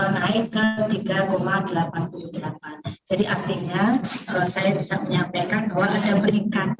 namanya juga persepsi dan anggapan